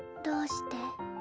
どうして？